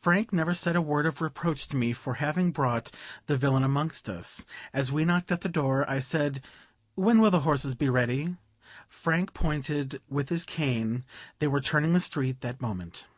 Frank never said a word of reproach to me for having brought the villain amongst us. As we knocked at the door I said, "When will the horses be ready?" Frank pointed with his cane, they were turning the street that moment.